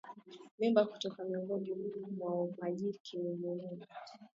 Mimba kutoka miongoni mwa majike yenye mimba